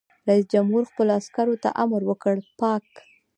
رئیس جمهور خپلو عسکرو ته امر وکړ؛ پاک!